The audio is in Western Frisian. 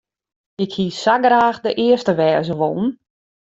Ik hie sa graach de earste wêze wollen.